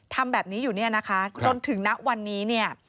ทำแบบนี้อยู่เนี่ยนะคะจนถึงณวันนี้เนี่ย